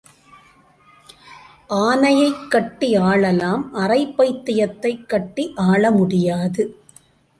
ஆனையைக் கட்டி ஆளலாம் அரைப் பைத்தியத்தைக் கட்டி ஆள முடியாது.